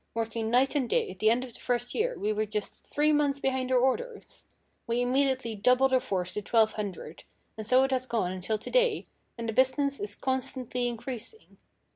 Working night and day, at the end of the first year we were just three months behind our orders. We immediately doubled our force to 1200, and so it has gone until to day, and the business is constantly increasing.